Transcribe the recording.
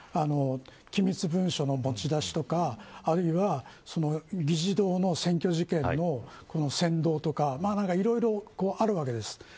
機密文書の持ち出しや議事堂の占拠事件の先導とかいろいろあるわけです。